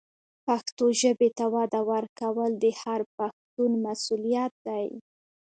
پښتو ژبې ته وده ورکول د هر پښتون مسؤلیت دی.